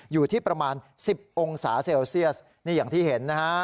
อยู่ที่ประมาณ๑๐องศาเซลเซียสนี่อย่างที่เห็นนะฮะ